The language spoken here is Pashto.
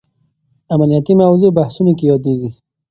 امنیتي موضوع بحثونو کې یادېږي.